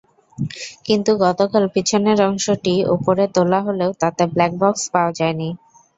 কিন্তু গতকাল পেছনের অংশটি ওপরে তোলা হলেও তাতে ব্ল্যাকবক্স পাওয়া যায়নি।